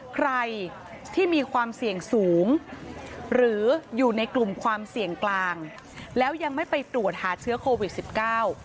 ใครที่มีความเสี่ยงสูงหรืออยู่ในกลุ่มความเสี่ยงกลางแล้วยังไม่ไปตรวจหาเชื้อโควิดสิบเก้า